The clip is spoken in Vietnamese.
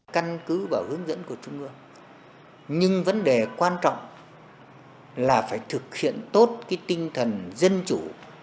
căn cứ và hướng dẫn của trung ương nhưng vấn đề quan trọng là phải thực hiện tốt cái tinh thần dân chủ